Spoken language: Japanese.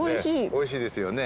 おいしいですよね？